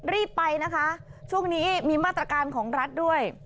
รีบไปนะคะช่วงนี้มีมาตรการของรัฐด้วย